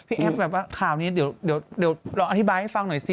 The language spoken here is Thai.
แอฟแบบว่าข่าวนี้เดี๋ยวลองอธิบายให้ฟังหน่อยสิ